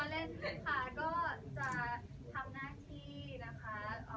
แล้วก็อย่างที่ท่านบอก